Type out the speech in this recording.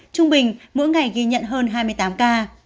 trung bình mỗi ngày ghi nhận hơn hai mươi tám ca